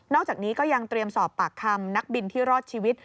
อกจากนี้ก็ยังเตรียมสอบปากคำนักบินที่รอดชีวิต